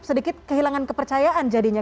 sedikit kehilangan kepercayaan jadinya